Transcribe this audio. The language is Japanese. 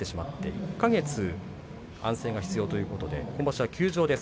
１か月の安静が必要ということで今場所は休場です。